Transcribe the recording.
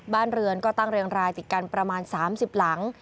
บ้านเรือนก็ตั้งเรียงรายติดกันประมาณ๓๐หลัง